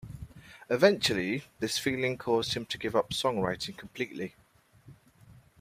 Eventually this feeling caused him to give up song-writing completely.